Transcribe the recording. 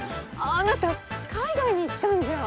あなた海外に行ったんじゃ。